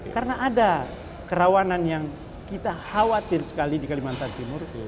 karena ada kerawanan yang kita khawatir sekali di kalimantan timur